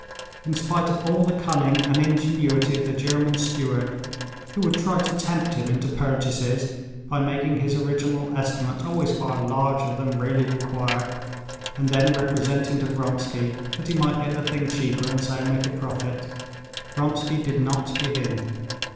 In spite of all the cunning and ingenuity of the German steward, who would try to tempt him into purchases by making his original estimate always far larger than really required, and then representing to Vronsky that he might get the thing cheaper, and so make a profit, Vronsky did not give in.